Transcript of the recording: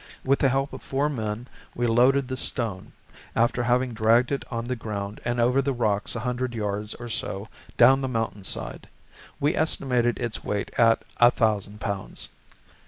With the help of four men we loaded the stone, after having dragged it on the ground and over the rocks a hundred yards or so down the mountain side. We estimated its weight at a thousand pounds.